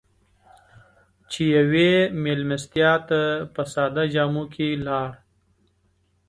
چې يوې مېلمستیا ته په ساده جامو کې لاړ.